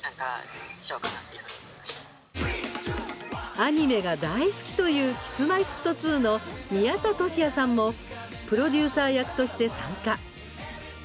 アニメが大好きというＫｉｓ−Ｍｙ−Ｆｔ２の宮田俊哉さんもプロデューサー役として参加。